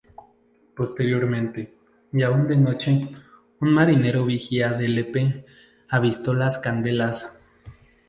Posteriormente, y aún de noche, un marinero vigía de Lepe avistó las candelas.